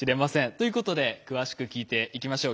ということで詳しく聞いていきましょう。